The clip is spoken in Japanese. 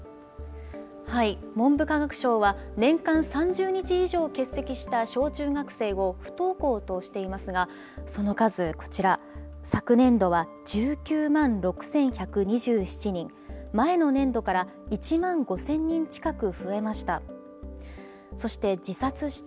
文部科学省は、年間３０日以上欠席した小中学生を不登校としていますが、その数こちら、昨年度は１９万６１２７人、前の年度から１万５０００人近く増えました。